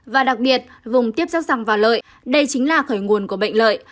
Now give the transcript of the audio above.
và đặc biệt vùng tiếp xác răng vào lợi đây chính là khởi nguồn của bệnh lợi